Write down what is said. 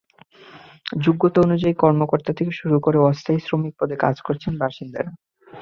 যোগ্যতা অনুযায়ী কর্মকর্তা থেকে শুরু করে অস্থায়ী শ্রমিক পদে কাজ করছেন বাসিন্দারা।